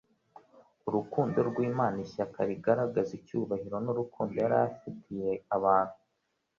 Urukundo rw'Imana, ishyaka rigaragaza icyubahiro n'urukundo yari afitiye abantu,